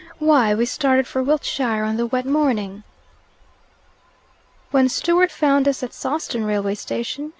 "Why, we started for Wiltshire on the wet morning!" "When Stewart found us at Sawston railway station?"